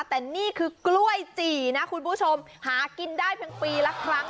แต่นี่คือกล้วยจี่นะคุณผู้ชมหากินได้เพียงปีละครั้ง